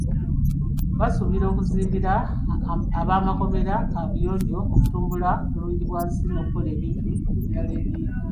Basuubira okuzimbira ab’amakomera kaabuyonjo, okutumbula bulungibwansi n'okukola ebintu ebirala bingi.